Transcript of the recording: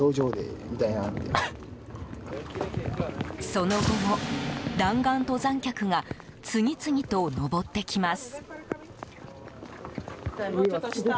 その後も、弾丸登山客が次々と登ってきます。